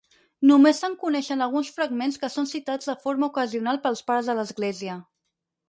Només se'n coneixen alguns fragments que són citats de forma ocasional pels Pares de l'Església.